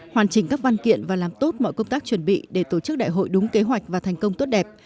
hoàn chỉnh các văn kiện và làm tốt mọi công tác chuẩn bị để tổ chức đại hội đúng kế hoạch và thành công tốt đẹp